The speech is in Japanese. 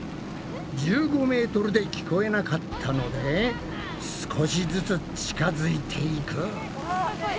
１５ｍで聞こえなかったので少しずつ近づいていく。